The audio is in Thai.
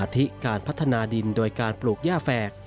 ที่การพัฒนาดินโดยการปลูกย่าแฝก